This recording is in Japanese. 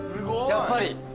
やっぱり。